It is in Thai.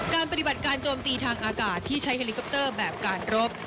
การปฏิบัติการโจมตีทางอากาศที่ใช้เฮลิคอปเตอร์แบบการรบ